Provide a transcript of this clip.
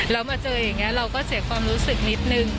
แล้วมาเจออย่างนี้เราก็เสียความรู้สึกนิดนึง